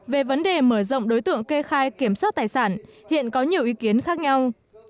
về vấn đề mở rộng đối tượng kê khai kiểm soát tài sản hiện có nhiều ý kiến khác nhau